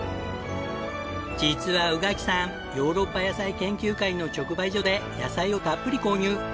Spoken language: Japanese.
実は宇垣さんヨーロッパ野菜研究会の直売所で野菜をたっぷり購入。